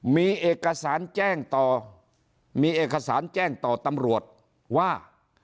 มีเอกสารแจ้งต่อมีเอกสารแจ้งต่อตำรวจว่า